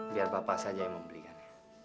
biar bapak saja yang mau belikan